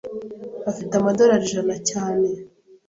Afite amadorari ijana cyane.